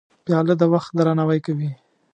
پیاله د وخت درناوی کوي.